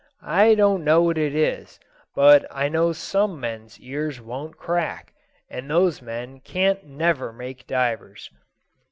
I don't know what it is, but I know some men's ears won't crack, and those men can't never make divers."